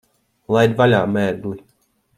Laid vaļā, mērgli!